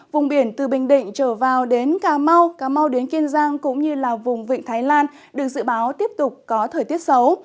vùng biển từ bình định trở vào đến cà mau cà mau đến kiên giang cũng như là vùng vịnh thái lan được dự báo tiếp tục có thời tiết xấu